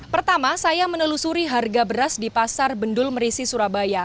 pertama saya menelusuri harga beras di pasar bendul merisi surabaya